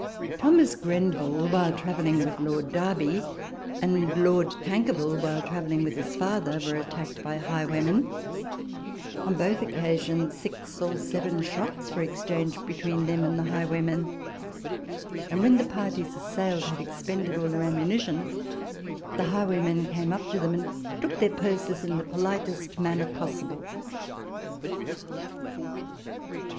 Thomas Grenville,* while travelling with Lord Derby ; and Lord Tankerville, while travelling with his father ; were attacked by high waymen : on both occasions, six or seven shots * The Right Honourable T. G. 156 RECOLLECTIONS OF THE were exchanged between them and the high waymen ; and when the parties assailed had ex pended all their ammunition, the highwaymen came up to them, and took their purses in the politest manner possible.